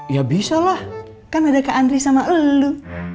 ya bisa lah kan ada kak andri sama lelu